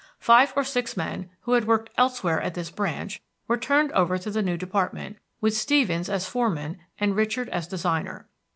Five or six men, who had worked elsewhere at this branch, were turned over to the new department, with Stevens as foreman and Richard as designer.